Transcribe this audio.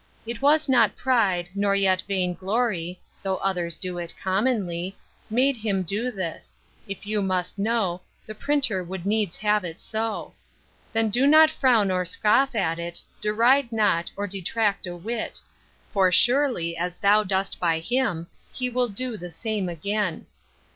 It was not pride, nor yet vainglory, (Though others do it commonly) Made him do this: if you must know, The Printer would needs have it so. Then do not frown or scoff at it, Deride not, or detract a whit. For surely as thou dost by him, He will do the same again.